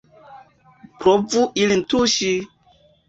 Provu ilin tuŝi!